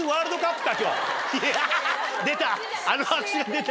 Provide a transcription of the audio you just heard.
出た！